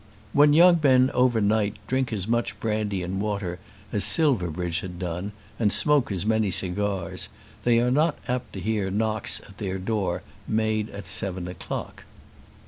When young men overnight drink as much brandy and water as Silverbridge had done, and smoke as many cigars, they are apt not to hear knocks at their door made at seven o'clock.